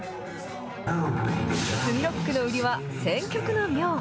スミロックの売りは、選曲の妙。